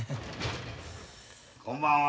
こんばんは。